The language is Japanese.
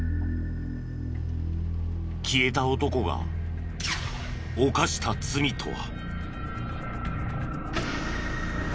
消えた男が犯した罪とは。